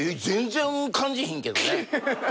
全然感じひんけどね。